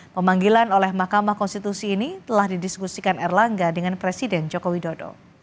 pemanggilan oleh mahkamah konstitusi ini telah didiskusikan erlangga dengan presiden joko widodo